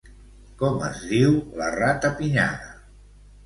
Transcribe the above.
Com es diu la ratapinyada?